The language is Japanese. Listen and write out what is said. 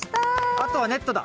あとはネットだ。